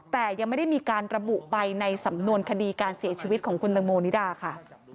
แต่ยังไม่ได้มีการระบุไปในสำนวนคดีการเสียชีวิตของคุณตังโมนิดาค่ะ